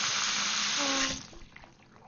治所在湖北省东部长江北之地。